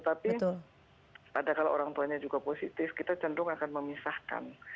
tapi ada kalau orang tuanya juga positif kita cenderung akan memisahkan